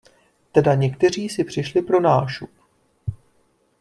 Teda, někteří si přišli pro nášup.